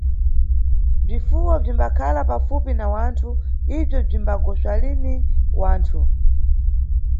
Bzifuwo bzimbakhala pafupi na wanthu, ibzo bzimba goswa lini wanthu .